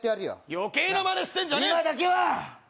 余計なまねしてんじゃねえ今だけは！